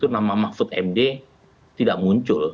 nama mahfud md tidak muncul